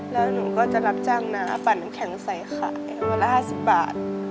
แล้วหนูก็จะรับจ้างน้าปั่นน้ำแข็งใส่ขายวันละ๕๐บาท